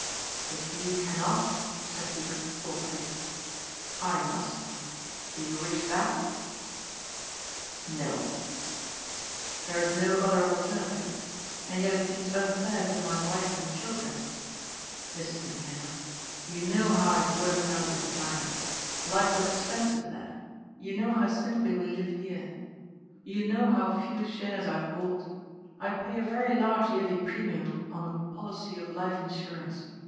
" If you cannot," said Hubert thoughtfully, " I must. Do you wish that ?"« No." r» BROTHERS IN UNITY. 34,5 " There is no other alternative. And yet it seems unfair to my wife and children. Listen to me, Hendrik. You know how I have worked out in China — life was expensive there — ^you know how simply we live here. You know how few shares I have bought. I pay a very large yearly pre mium on a policy of life insurance.